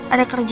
ada kerjaan ya